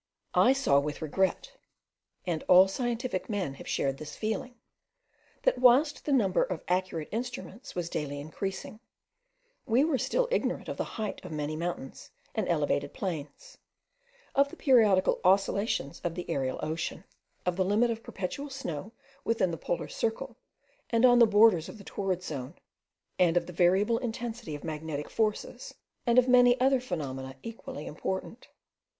I saw with regret, (and all scientific men have shared this feeling) that whilst the number of accurate instruments was daily increasing, we were still ignorant of the height of many mountains and elevated plains; of the periodical oscillations of the aerial ocean; of the limit of perpetual snow within the polar circle and on the borders of the torrid zone; of the variable intensity of the magnetic forces, and of many other phenomena equally important.